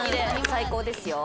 最高ですよ。